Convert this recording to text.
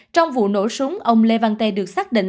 trong vụ nổ súng ông lê văn tê được xác định